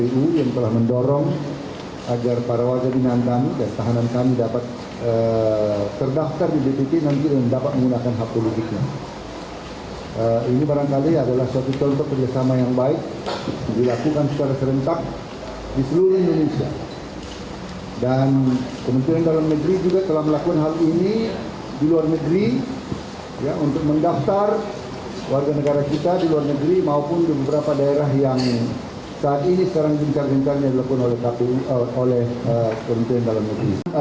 dan kementerian dalam negeri juga telah melakukan hal ini di luar negeri untuk mengdaftar warga negara kita di luar negeri maupun di beberapa daerah yang saat ini sekarang jenis jenisnya dilakukan oleh kementerian dalam negeri